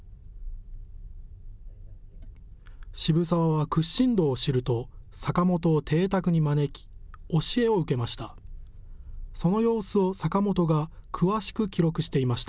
渋沢は屈伸道を知ると坂本を邸宅に招き教えを受けました。